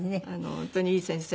本当にいい先生